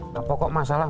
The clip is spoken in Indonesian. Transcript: nah pokok masalah